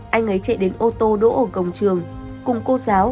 anh ấy chạy đến ô tô đỗ ở cổng trường cùng cô giáo